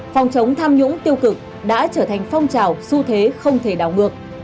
phòng chống tham nhũng tiêu cực đã trở thành phong trào su thế không thể đảo ngược